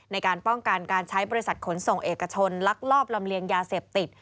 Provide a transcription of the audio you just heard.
ในการป้องกันการใช้บริษัทขนส่งเอกชนลักลอบลำเลียงยาเสพติด